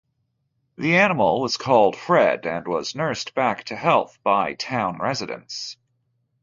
The animal was called "Fred" and was nursed back to health by town residents.